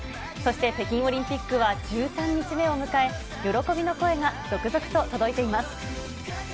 そして北京オリンピックは１３日目を迎え、喜びの声が続々と届いています。